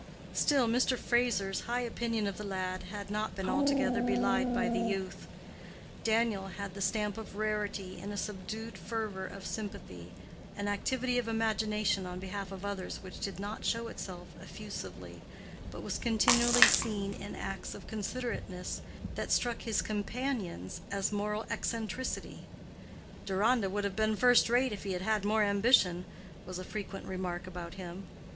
Still, Mr. Fraser's high opinion of the lad had not been altogether belied by the youth: Daniel had the stamp of rarity in a subdued fervor of sympathy, an activity of imagination on behalf of others which did not show itself effusively, but was continually seen in acts of considerateness that struck his companions as moral eccentricity. "Deronda would have been first rate if he had had more ambition," was a frequent remark about him.